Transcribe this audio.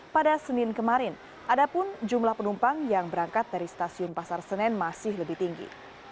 pada senin kemarin adapun jumlah penumpang yang berangkat dari stasiun pasar senen masih lebih tinggi